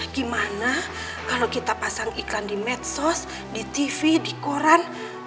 gimana kalau kita pasang iklan di medsos di tv di koran